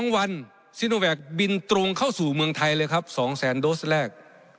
๒วันซิโนแวคบินตรงเข้าสู่เมืองไทยเลยครับ๒แสนโดสแรก